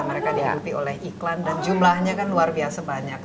mereka dihadapi oleh iklan dan jumlahnya kan luar biasa banyak